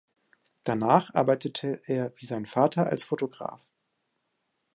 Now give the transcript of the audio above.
Danach arbeitete er wie sein Vater als Fotograf.